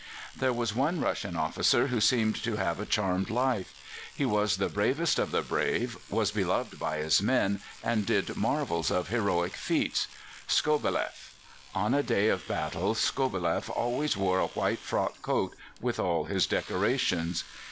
There was one Russian officer who seemed to have a charmed life. He was the bravest of the brave, was beloved by his men, and did marvels of heroic feats Skobeleff. On a day of battle Skobeleff always wore a white frock coat, with all his decorations.